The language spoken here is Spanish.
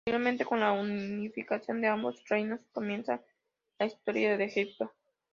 Posteriormente, con la unificación de ambos reinos, comienza la historia de Egipto.